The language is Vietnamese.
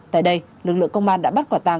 tại đây lực lượng công an đã bắt quả tàng